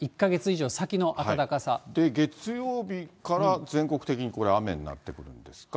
で、月曜日から全国的にこれ、雨になってくるんですか。